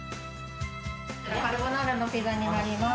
カルボナーラのピザになります。